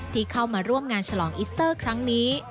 ที่เข้ามาร่วมงานฉลองอิสเตอร์ครั้งนี้